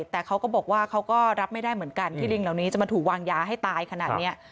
แต่เขาก็บอกว่าเขาก็รับไม่ได้เหมือนกันที่ลิงเหล่านี้จะมาถูกวางยาให้ตายขนาดนี้